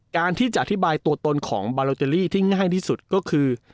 การที่จะอธิบายตัวตนของบาโลเจอรี่ที่ง่ายที่สุดก็คือ